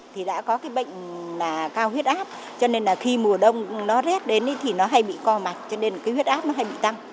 thì đã có cái bệnh cao huyết áp cho nên là khi mùa đông nó rét đến thì nó hay bị co mạch cho nên cái huyết áp nó hay bị tăng